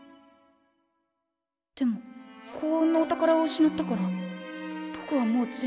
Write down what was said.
でも幸運のお宝を失ったからぼくはもう銭